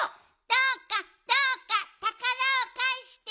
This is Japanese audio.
どうかどうかたからをかえしてくださいな。